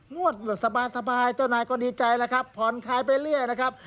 นวดสบายเจ้านายก็ดีใจนะครับผ่อนคลายไปเรียกนะครับ